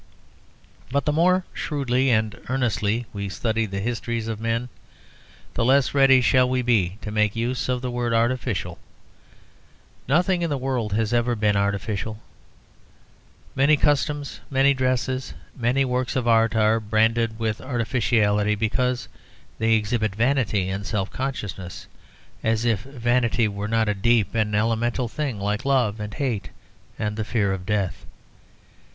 But the more shrewdly and earnestly we study the histories of men, the less ready shall we be to make use of the word "artificial." Nothing in the world has ever been artificial. Many customs, many dresses, many works of art are branded with artificiality because they exhibit vanity and self consciousness: as if vanity were not a deep and elemental thing, like love and hate and the fear of death.